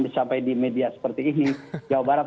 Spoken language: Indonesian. disampaikan di media seperti ini jawa barat